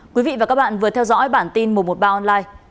quý vị và các bạn vừa theo dõi bản tin một trăm một mươi ba online